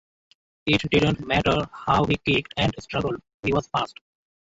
It did not matter how he kicked and struggled, he was fast.